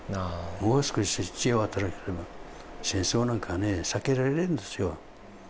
もう少し知恵があったら、戦争なんかね、避けられるんですよ。